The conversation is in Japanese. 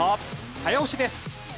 早押しです。